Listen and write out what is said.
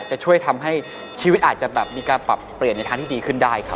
จะช่วยทำให้ชีวิตอาจจะแบบมีการปรับเปลี่ยนในทางที่ดีขึ้นได้ครับ